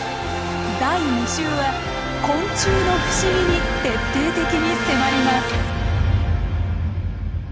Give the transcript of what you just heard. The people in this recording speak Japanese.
第２集は昆虫の不思議に徹底的に迫ります。